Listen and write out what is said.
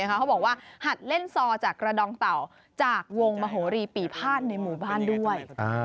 เขาบอกว่าหัดเล่นซอจากกระดองเต่าจากวงมโหรีปีภาษณ์ในหมู่บ้านด้วย